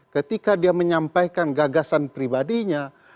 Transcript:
ketika dia menyampaikan gagasan pribadinya